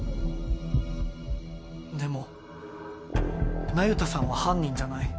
でも那由他さんは犯人じゃない。